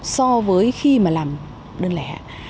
so với khi mà làm đơn lẻ